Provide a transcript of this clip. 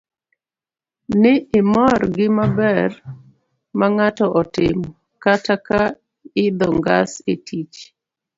ni imor gi gimaber mang'ato otimo. kata ka idho ngas e tich,